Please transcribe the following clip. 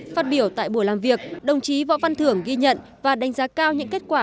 phát biểu tại buổi làm việc đồng chí võ văn thưởng ghi nhận và đánh giá cao những kết quả